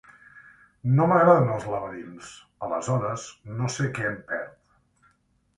No m'agraden els laberints, aleshores no sé què em perd.